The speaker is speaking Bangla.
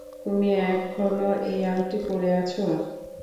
তুমি এখনো এই আংটি পরে আছো।